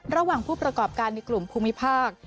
ระหว่างผู้ประกอบการในกลุ่มภูมิภาค